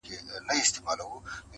ورته راغله د برکلي د ښکاریانو.!